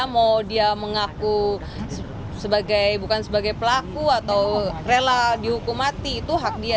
mau dia mengaku sebagai bukan sebagai pelaku atau rela dihukum mati itu hak dia